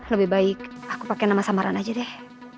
lebih baik aku pakai nama samaran aja deh